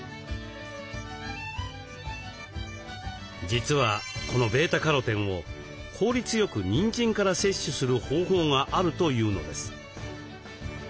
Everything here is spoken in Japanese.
実はこのβカロテンを効率よくにんじんから摂取する方法があるというのです。